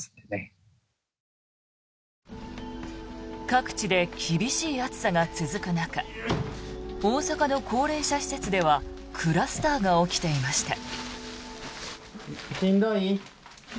各地で厳しい暑さが続く中大阪の高齢者施設ではクラスターが起きていました。